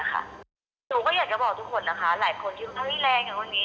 หนูก็อยากจะบอกทุกคนนะคะหลายคนที่เข้าที่แรงกันวันนี้